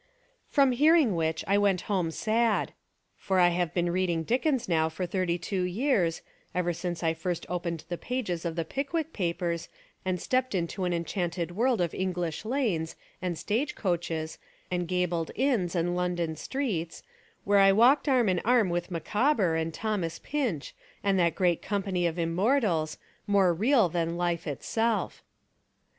From hearing which, I went home sad. For 195 Essays and Literary Studies I have been reading Dickens now for thirty two years, — ever since I first opened the pages of the Pickwick Papers and stepped into an en chanted world of Enghsh lanes, and stage coaches, and gabled inns and London streets, where I walked arm in arm with Micawber and Thomas Pinch and that great company of im mortals, more real than life itself.